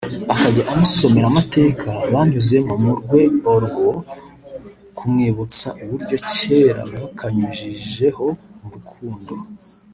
akajya amusomera amateka banyuzemo mu rweog rwo kumwibutsa uburyo kera bakanyujijeho mu rukundo…